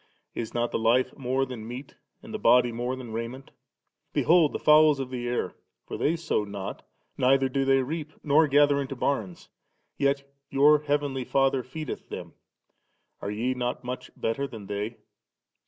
Is not the life more than meat, and the body than raiment? Behold the fowls of the air, for they sow not, neither do they reap, nor gather into bams; yet your heavenly Father feedeth them ; are ye not much better than they